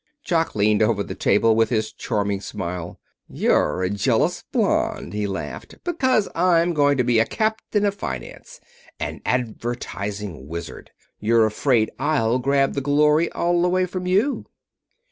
Jock leaned over the table, with his charming smile. "You're a jealous blonde," he laughed. "Because I'm going to be a captain of finance an advertising wizard; you're afraid I'll grab the glory all away from you."